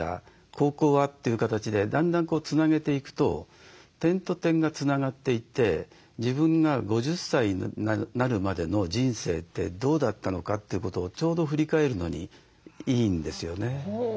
高校は？という形でだんだんつなげていくと点と点がつながっていって自分が５０歳になるまでの人生ってどうだったのかということをちょうど振り返るのにいいんですよね。